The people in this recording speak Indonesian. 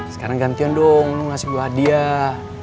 sekarang gantian dong lo ngasih gue hadiah